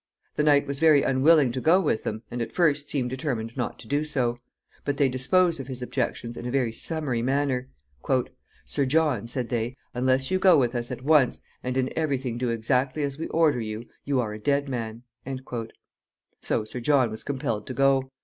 The knight was very unwilling to go with them, and at first seemed determined not to do so; but they disposed of his objections in a very summary manner. "Sir John," said they, "unless you go with us at once, and in every thing do exactly as we order you, you are a dead man." So Sir John was compelled to go.